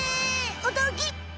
おどろき！